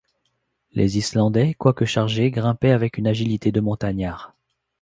Les Islandais, quoique chargés grimpaient avec une agilité de montagnards.